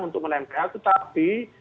untuk menempel tetapi